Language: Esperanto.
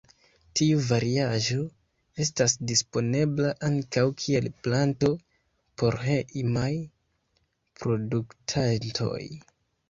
Tiu variaĵo estas disponebla ankaŭ kiel planto por hejmaj produktantoj.